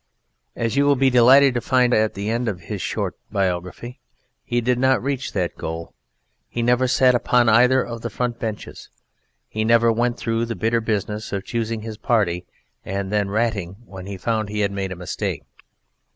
As you will be delighted to find at the end of his short biography, he did not reach that goal. He never sat upon either of the front benches. He never went through the bitter business of choosing his party and then ratting when he found he had made a mistake.